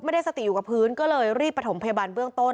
ไม่ได้สติอยู่กับพื้นก็เลยรีบประถมพยาบาลเบื้องต้น